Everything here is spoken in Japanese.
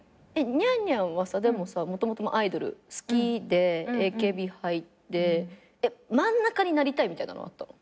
にゃんにゃんはさでもさもともとアイドル好きでＡＫＢ入って真ん中になりたいみたいなのはあったの？